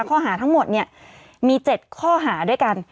ข้อหาทั้งหมดเนี่ยมี๗ข้อหาด้วยกัน